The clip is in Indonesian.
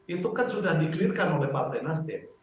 itu kan sudah di clear kan oleh partai nasdem